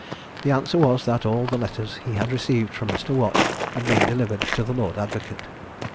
The answer was that all the letters he had received from Mr. Watt had been delivered to the lord advocate.